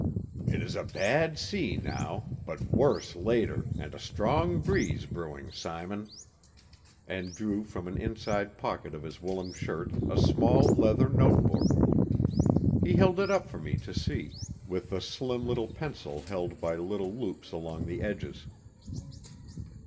"It is a bad sea now, but worse later, and a strong breeze brewing, Simon"; and drew from an inside pocket of his woollen shirt a small leather note book. He held it up for me to see, with the slim little pencil held by little loops along the edges.